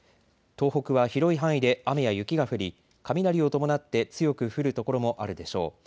東北は広い範囲で雨や雪が降り雷を伴って強く降る所もあるでしょう。